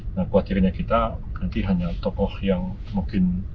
nah khawatirnya kita nanti hanya tokoh yang mungkin